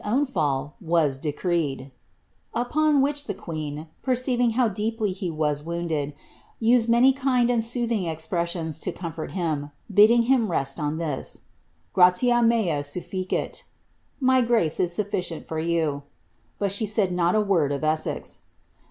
own fall «ii decreed;" upon which the queen, perceifing how deeply he wa* wounded, used many kind and soothing expressions lo comfort hini. bidding him rest on this, ''gratia mea suJicW'' —" my grace is sufficieoi for you" — but she said not a word of Essex.